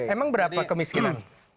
emang berapa kemiskinan